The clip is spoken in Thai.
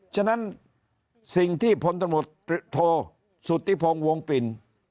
ฉะนั้นสิ่งที่พลตำรวจโทสุธิพงศ์วงปิ่น